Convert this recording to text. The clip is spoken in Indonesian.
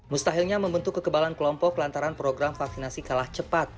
mustahilnya membentuk kekebalan kelompok lantaran program vaksinasi kalah cepat